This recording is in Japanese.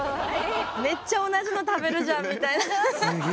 めっちゃ同じの食べるじゃんみたいな。